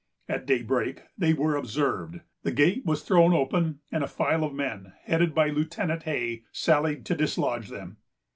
At daybreak, they were observed, the gate was thrown open, and a file of men, headed by Lieutenant Hay, sallied to dislodge them.